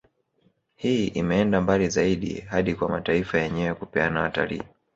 Hii imeenda mbali zaidi hadi kwa mataifa yenyewe kupeana watalii